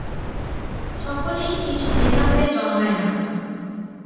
সকলেই কিছু নেতা হয়ে জন্মায় না।